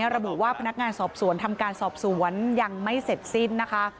ระบุว่าพนักงานสอบสวนทำการสอบสวนยังไม่เสร็จสิ้นนะคะ